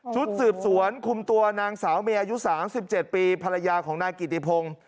ชุดสืบสวนคุมตัวนางสาวเมย์อายุ๓๗ปีภรรยาของนายกิติพงศ์